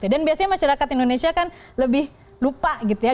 dan biasanya masyarakat indonesia kan lebih lupa gitu ya